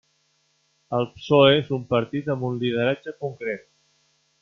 El PSOE és un partit amb un lideratge concret.